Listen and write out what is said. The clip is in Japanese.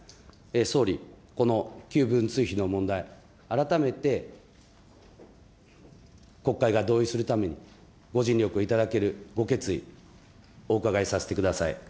総理、この旧文通費の問題、改めて国会が同意するために、ご尽力をいただけるご決意、お伺いさせてください。